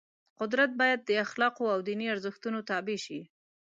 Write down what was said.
قدرت باید د اخلاقو او دیني ارزښتونو تابع شي.